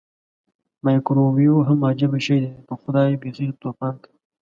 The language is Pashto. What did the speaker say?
مایکرو ویو هم عجبه شی دی پخدای بیخې توپان کوي.